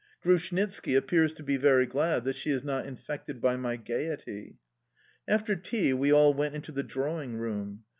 Grushnitski appears to be very glad that she is not infected by my gaiety. After tea we all went into the drawingroom.